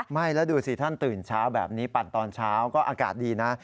ไม่แล้วดูสิท่านตื่นเช้าแบบนี้ปั่นตอนเช้าก็อากาศดีนะ